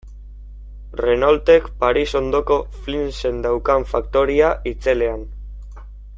Renaultek Paris ondoko Flinsen daukan faktoria itzelean.